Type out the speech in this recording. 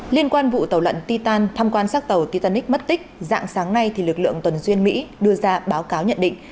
liên quan vụ tàu lận titan thăm quan sát tàu titanic mất tích dạng sáng nay lực lượng tuần duyên mỹ đưa ra báo cáo nhận định